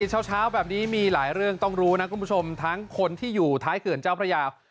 เช้าแบบนี้มีหลายเรื่องต้องรู้นะคุณผู้ชมทั้งคนที่อยู่ท้ายเขื่อนเจ้าพระยา